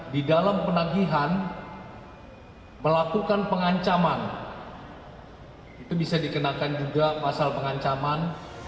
di dalam penagihan melakukan pengancaman itu bisa dikenakan juga pasal pengancaman